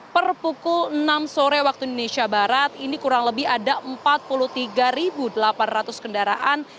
per pukul enam sore waktu indonesia barat ini kurang lebih ada empat puluh tiga delapan ratus kendaraan